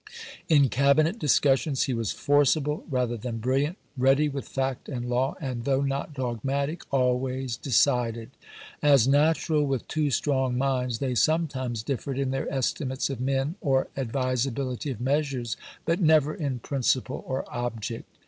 In Cabi net discussions he was forcible rather than brilliant, ready with fact and law, and, though not dogmatic, always decided. As natural with two strong minds, they sometimes differed in their estimates of men or advisability of measures, but never in principle or object.